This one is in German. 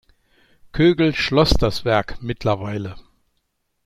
Kögel schloss das Werk mittlerweile.